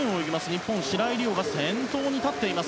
日本、白井璃緒が先頭に立っています。